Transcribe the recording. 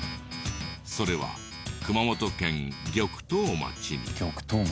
それは熊本県玉東町に。